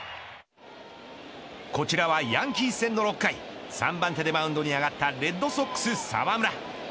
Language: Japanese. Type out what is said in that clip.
こちらはヤンキース戦の６回３番手でマウンドに上がったレッドソックス澤村。